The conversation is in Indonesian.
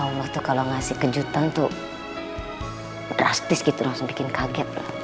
allah tuh kalau ngasih kejutan tuh drastis gitu langsung bikin kaget